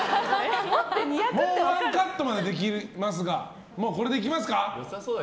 もうワンカットまでできますがこれでいきますか？